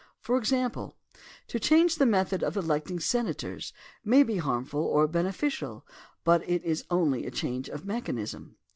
For example: to change the method of electing senators may be harm ful or beneficial but it is only a change of mechanism.